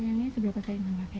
sayangnya seberapa sayang sama rake